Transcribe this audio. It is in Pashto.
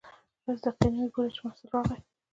لس دقیقې نه وې پوره چې محصل راغی.